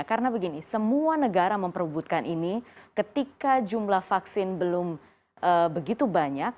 karena begini semua negara memperbutkan ini ketika jumlah vaksin belum begitu banyak